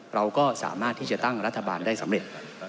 เราก็สามารถที่จะตั้งรัฐบาลได้สำเร็จ